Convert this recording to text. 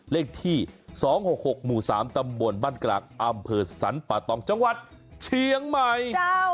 เลขที่๒๖๖หมู่๓ตำบลบ้านกลางอำเภอสรรปะตองจังหวัดเชียงใหม่